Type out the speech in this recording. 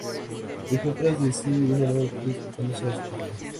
Dejó tras de sí una nota disculpándose a su familia.